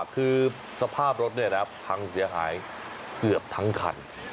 คือสภาพรถเนี่ยนะครับพังเสียหายเกือบทั้งคัน